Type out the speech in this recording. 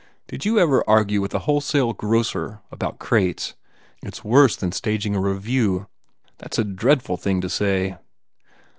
Did you ever argue with a wholesale grocer about crates? It s worse than staging a revue." "That s a dreadful thing to say!"